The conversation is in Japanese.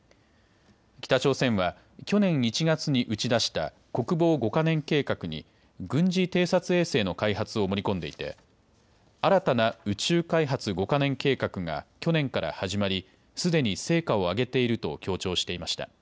北朝鮮は去年１月に打ち出した国防５か年計画に軍事偵察衛星の開発を盛り込んでいて新たな宇宙開発５か年計画が去年から始まりすでに成果を上げていると強調していました。